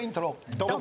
ドン！